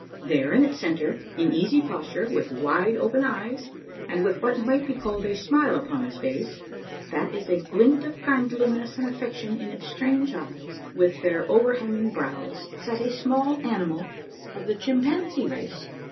There, in its centre, in easy posture, with wide opened eyes, and with what might be called a smile upon its face — that is a glint of kindliness and affection in its strange eyes with their overhang ing brows, sat a small animal of the chimpanzee race.